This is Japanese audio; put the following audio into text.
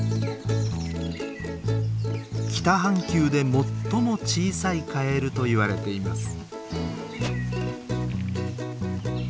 北半球で最も小さいカエルといわれています。